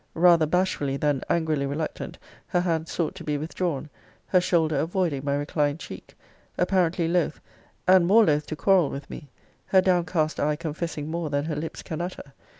Rather bashfully than angrily reluctant, her hands sought to be withdrawn; her shoulder avoiding my reclined cheek apparently loth, and more loth to quarrel with me; her downcast eye confessing more than her lips can utter.